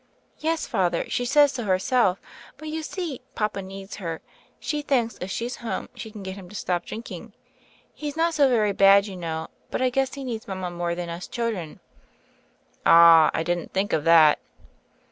"Yes, Father, she says so herself. But, you see, papa needs her. She thinks if she*s home she can get him to stop drinking. He's not so very bad you know, but I guess he needs mama more than us children." "Ah 1 I didn't think of that."